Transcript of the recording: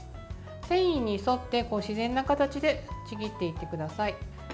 繊維に沿って自然な形でちぎっていってください。